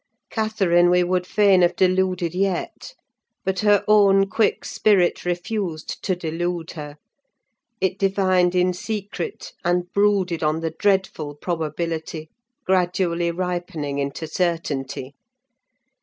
Catherine we would fain have deluded yet; but her own quick spirit refused to delude her: it divined in secret, and brooded on the dreadful probability, gradually ripening into certainty.